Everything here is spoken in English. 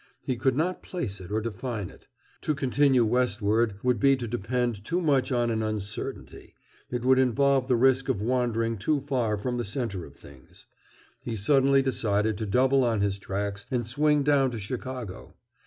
He could not place it or define it. To continue westward would be to depend too much on an uncertainty; it would involve the risk of wandering too far from the center of things. He suddenly decided to double on his tracks and swing down to Chicago.